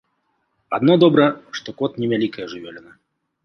Адно добра, што кот невялікая жывёліна.